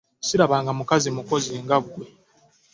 Ssirabanga mukazi mukozi nga ggwe!